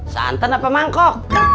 santen apa mangkok